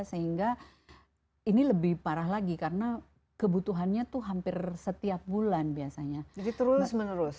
sehingga ini lebih parah lagi karena kebutuhannya tuh hampir setiap bulan biasanya jadi terus menerus